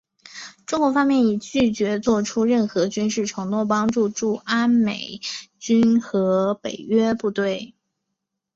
中国方面已拒绝做出任何军事承诺帮助驻阿美军和北约部队。